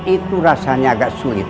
itu rasanya agak sulit